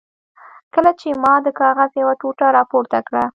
کله چې ما د کاغذ یوه ټوټه را پورته کړه.